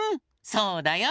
そうだよ。